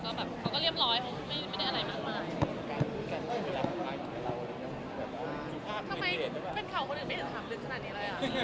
ทำไมเป็นเก่าคนอื่นไม่ได้ถามดึกขนาดนี้เลยเหรอ